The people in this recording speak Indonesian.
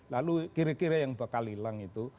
lalu kira kira yang bakal hilang itu